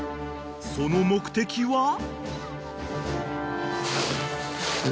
［その目的は？］